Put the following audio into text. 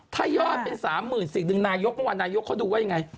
ถ้ายอดเป็น๓๐๐๐สิ่งหนึ่งนายกเมื่อวานนายกเขาดูว่ายังไง